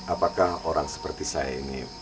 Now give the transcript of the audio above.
apakah orang seperti saya ini